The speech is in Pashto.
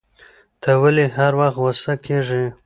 ته ولي هر وخت غوسه کیږی